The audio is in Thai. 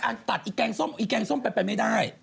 กอสอตัดอีแกงส้มอีแกงส้มไปไม่ได้